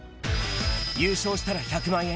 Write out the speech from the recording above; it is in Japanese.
優勝したら１００万円。